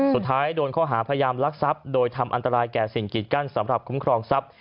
สุดท้ายโดนข้อหาพยายามลักทรัพย์โดยทำอันตรายแก่สิ่งกีดกั้นสำหรับคุ้มครองทรัพย์